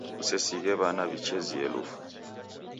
Kusesighe w'ana w'ichezie lufu.